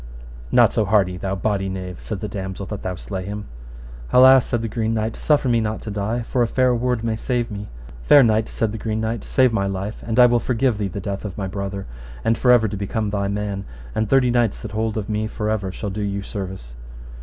Not so hardy, thou bawdy knave, said the damosel, that thou slay him. Alas, said the Green Knight, suffer me not to die for a fair word may save me. Fair knight, said the Green Knight, save my life, and I will forgive thee the death of my brother, and for ever to become thy man, and thirty knights that hold of me for ever shall do you service.